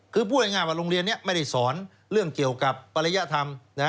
คือพูดง่ายว่าโรงเรียนนี้ไม่ได้สอนเรื่องเกี่ยวกับปริยธรรม